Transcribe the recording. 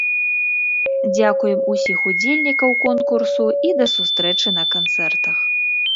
Дзякуем усіх удзельнікаў конкурсу і да сустрэчы на канцэртах!